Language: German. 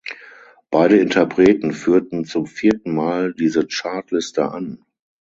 Beide Interpreten führten zum vierten Mal diese Chartliste an.